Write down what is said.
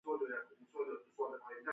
زکات ورکول مال زیاتوي.